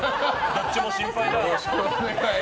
どっちも心配だ。